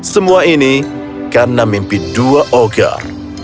semua ini karena mimpi dua ogar